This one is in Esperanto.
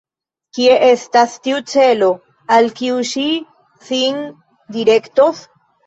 Kie estas tiu celo, al kiu ŝi sin direktos?